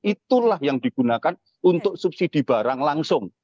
itulah yang digunakan untuk subsidi barang langsung